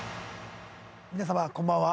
皆さまこんばんは。